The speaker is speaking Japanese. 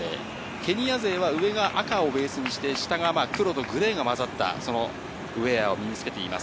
ケニア勢は上が赤をベースにして、下が黒とグレーが混ざった、そのウエアを身につけています。